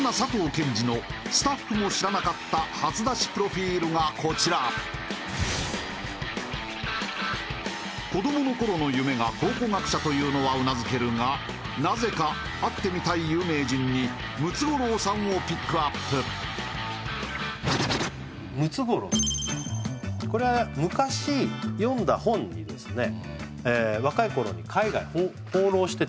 健寿のスタッフも知らなかった初出しプロフィールがこちら子どもの頃の夢が考古学者というのはうなずけるがなぜか会ってみたい有名人にムツゴロウさんをピックアップムツゴロウさんこれは昔読んだ本にですね